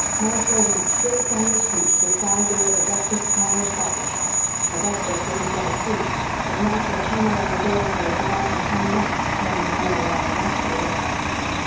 Marshall went straight down the street to the side door of Augustus Palmer's barber shop. Augustus was in bed asleep, but Marhall hammered on the door until he got up and come down, wanting to know what all the racket was about.